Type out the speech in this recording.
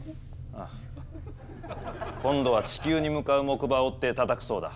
今度は地球に向かう木馬を追ってたたくそうだ。